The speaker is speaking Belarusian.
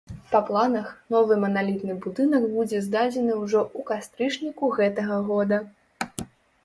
Па планах, новы маналітны будынак будзе здадзены ўжо ў кастрычніку гэтага года.